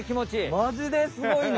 マジですごいな。